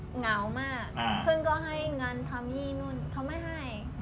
เหงามากคุณก็ให้งานทำยี่นุ่น